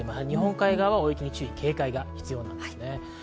日本海側、大雪に注意警戒が必要です。